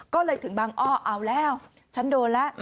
ก็เลยถึงบางอ้อเอาแล้วฉันโดนแล้ว